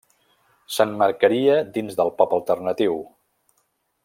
S'emmarcaria dins del pop alternatiu.